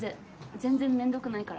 全然めんどくないから。